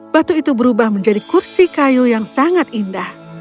batu itu berubah menjadi kursi kayu yang sangat indah